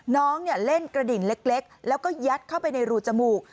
น้องเล่นกระดิ่งเล็กแล้วก็ยัดเข้าไปในรูจมูก